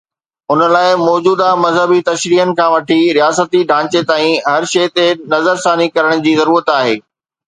ان لاءِ موجوده مذهبي تشريحن کان وٺي رياستي ڍانچي تائين هر شيءِ تي نظرثاني ڪرڻ جي ضرورت آهي.